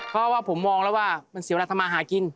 เพราะว่าผมมองแล้วว่ามันเสียเวลาทำมาหากิน